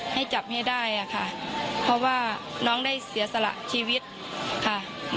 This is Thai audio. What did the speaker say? ให้จับให้ได้ค่ะเพราะว่าน้องได้เสียสละชีวิตค่ะ